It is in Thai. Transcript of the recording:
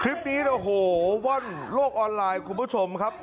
คลิปนี้โอ้โหว่อนโลกออนไลน์คุณผู้ชมครับ